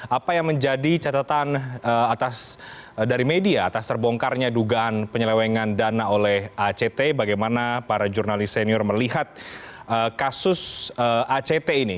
apa yang menjadi catatan dari media atas terbongkarnya dugaan penyelewengan dana oleh act bagaimana para jurnalis senior melihat kasus act ini